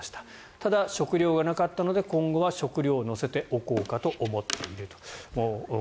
ただ食料がなかったので今後は食料を載せておこうかと思っていると。